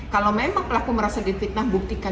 kalau memang pelaku merasa difitnah buktikan